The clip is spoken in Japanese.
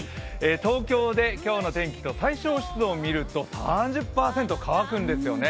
東京で今日の天気の最小湿度を見ると３０％、乾くんですよね。